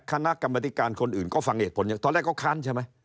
คณะกรรมธิการคนอื่นก็ฟังเหตุผลอย่างตอนแรกก็ค้านใช่ไหม